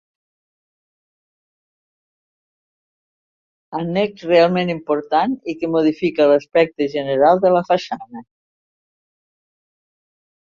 Annex realment important i que modifica l'aspecte general de la façana.